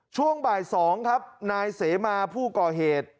ช่วงบ่าย๒ครับนายเสมาผู้ก่อเหตุ